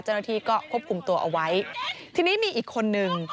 เจ้าหน้าที่ก็ควบคุมตัวเอาไว้ทีนี้มีอีกคนนึง